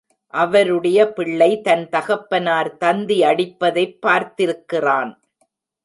அவருடைய பிள்ளை தன் தகப்பனார் தந்தி அடிப்பதைப் பார்த்திருக்கிறான்.